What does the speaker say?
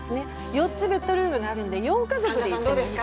４つベッドルームがあるので、４家族で行ってもいいと思います。